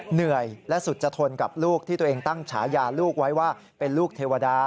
เหนื่อยและสุจทนกับลูกที่ตัวเองตั้งฉายาลูกไว้ว่าเป็นลูกเทวดา